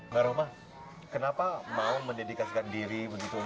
mbak roma kenapa mau mendidikasikan diri begitu